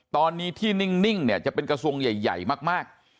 ตอนนี้ที่นิ่งเนี่ยจะเป็นกระทรวงใหญ่มาก